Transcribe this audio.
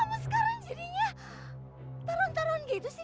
kok kamu sekarang jadinya tarun tarun gitu sih